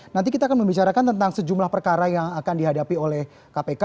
nanti kita akan membicarakan tentang sejumlah perkara yang akan dihadapi oleh kpk